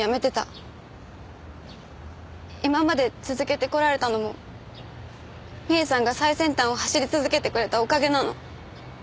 今まで続けてこられたのも美絵さんが最先端を走り続けてくれたおかげなの。